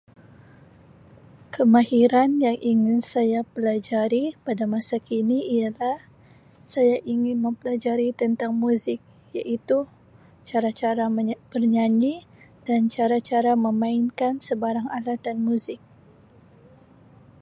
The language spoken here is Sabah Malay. Kemahiran yang ingin saya pelajari pada masa kini ialah saya ingin mempelajari tentang muzik iaitu cara-cara menya-bernyanyi dan cara-cara memainkan sebarang alat dan muzik.